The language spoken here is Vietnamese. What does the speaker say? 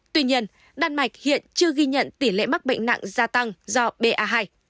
tuy nhiên đan mạch hiện chưa ghi nhận tỷ lệ mắc bệnh nặng gia tăng do ba